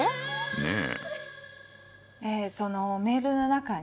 ねえ。